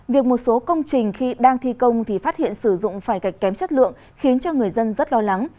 việc một số công trình khi đang thi công thì phát hiện sử dụng phải gạch kém chất lượng khiến cho người dân rất lo lắng